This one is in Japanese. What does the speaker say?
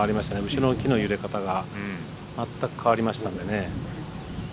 後ろの木の揺れ方が全く変わりましたんでね。